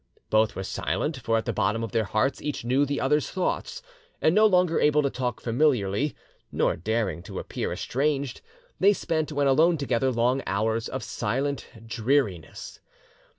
Both were silent, for at the bottom of their hearts each knew the other's thoughts, and, no longer able to talk familiarly, nor daring to appear estranged, they spent, when alone together, long hours of silent dreariness.